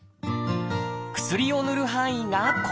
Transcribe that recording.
薬をぬる範囲がこちら。